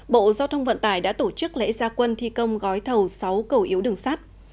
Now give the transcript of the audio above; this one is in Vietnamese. bộ giao thông vận tải đã tổ chức lễ gia quân thi công gói thầu sáu cầu yếu đường sắt